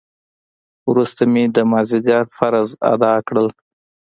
وروسته مې د مازديګر فرض ادا کړ.